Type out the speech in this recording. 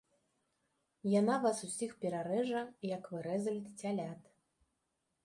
Яна вас усіх перарэжа, як вы рэзалі цялят!